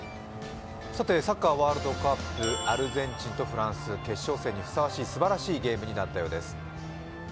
さて、サッカーワールドカップ、アルゼンチンとフランス、決勝戦にふさわしいすばらしいゲームになったようです。